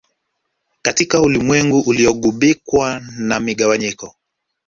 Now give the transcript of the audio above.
Katika ulimwengu uliogubikwa na migawanyiko